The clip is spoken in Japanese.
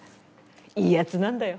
いいやつなんだよ。